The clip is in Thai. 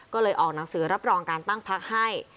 ก็เลยออกหนังสือรับรองการตั้งพักให้